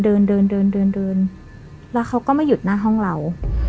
เดินเดินเดินเดินแล้วเขาก็ไม่หยุดหน้าห้องเรา